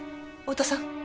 太田さん。